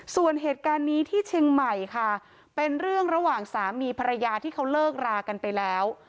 ส่วนเหตุการณ์นี้ที่เชียงใหม่ค่ะเป็นเรื่องระหว่างสามีภรรยาที่เขาเลิกรากันไปแล้ว